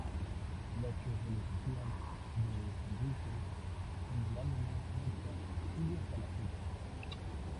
La especialización de Sunrise en el Anime Mecha sigue hasta la fecha.